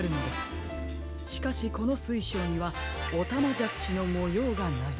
しかしこのすいしょうにはおたまじゃくしのもようがない。